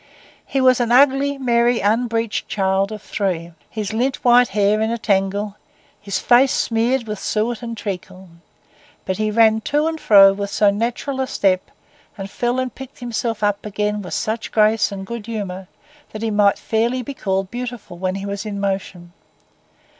He was an ugly, merry, unbreeched child of three, his lint white hair in a tangle, his face smeared with suet and treacle; but he ran to and fro with so natural a step, and fell and picked himself up again with such grace and good humour, that he might fairly be called beautiful when he was in motion.